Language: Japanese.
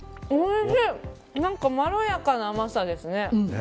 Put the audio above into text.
何かまろやかな甘さですね。